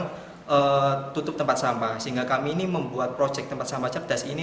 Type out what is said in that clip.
untuk tutup tempat sampah sehingga kami ini membuat proyek tempat sampah cerdas ini